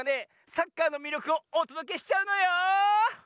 サッカーのみりょくをおとどけしちゃうのよ！